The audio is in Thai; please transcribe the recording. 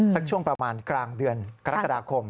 สักช่วงประมาณกลางเดือนกรกฎาคม